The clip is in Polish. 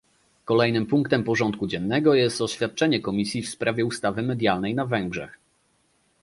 Kolejnym punktem porządku dziennego jest oświadczenie Komisji w sprawie ustawy medialnej na Węgrzech